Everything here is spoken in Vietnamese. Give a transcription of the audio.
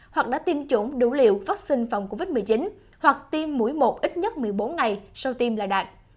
hoặc đã tiêm chủng đủ liệu vắc xin phòng covid một mươi chín hoặc tiêm mũi một ít nhất một mươi bốn ngày sau tiêm là đạt